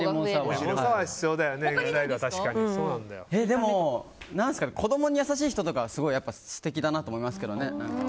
でも、子供に優しい人とかは素敵だなと思いますけどね。